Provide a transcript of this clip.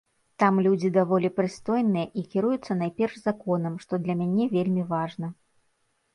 Там людзі даволі прыстойныя і кіруюцца найперш законам, што для мяне вельмі важна.